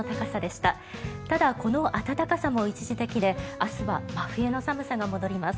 ただ、この暖かさも一時的で明日は真冬の寒さが戻ります。